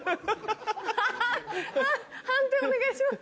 判定お願いします。